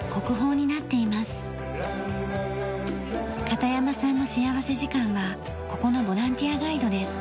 片山さんの幸福時間はここのボランティアガイドです。